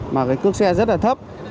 mà cái cước xe rất là thấp